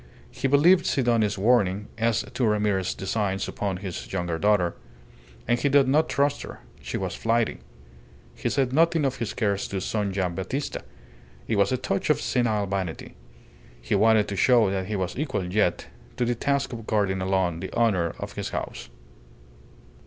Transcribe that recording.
He believed Sidoni's warning as to Ramirez's designs upon his younger daughter. And he did not trust her. She was flighty. He said nothing of his cares to "Son Gian' Battista." It was a touch of senile vanity. He wanted to show that he was equal yet to the task of guarding alone the honour of his house.